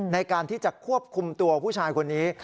ในการที่จะควบคุมตัวผู้ชายคนนี้